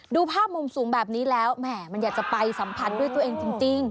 ดูภาพมุมสูงแบบนี้แล้วแหม่มันอยากจะไปสัมผัสด้วยตัวเองจริง